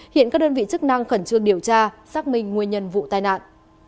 hiện các đơn vị chức năng khẩn trương điều tra xác minh nguyên nhân vụ tai nạn